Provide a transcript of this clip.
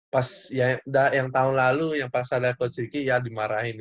pas yang tahun lalu yang pas ada coach ricky ya dimarahin